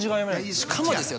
しかもですよ